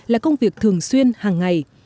là công việc thường xuyên hàng ngày